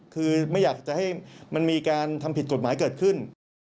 คือไม่อยากจะให้มันมีการทำผิดกฎหมายเกิดขึ้น